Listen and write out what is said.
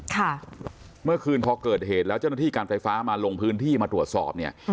ค่ะเมื่อคืนพอเกิดเหตุแล้วเจ้าหน้าที่การไฟฟ้ามาลงพื้นที่มาตรวจสอบเนี่ย